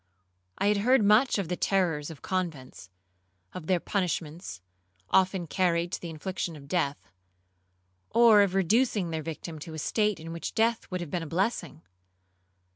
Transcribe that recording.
I had heard much of the terrors of convents,—of their punishments, often carried to the infliction of death, or of reducing their victim to a state in which death would have been a blessing.